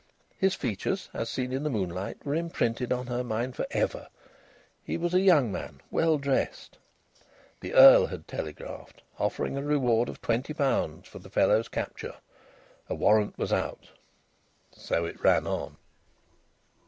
His features, as seen in the moonlight, were imprinted on her mind for ever. He was a young man, well dressed. The Earl had telegraphed, offering a reward of £20 for the fellow's capture. A warrant was out. So it ran on.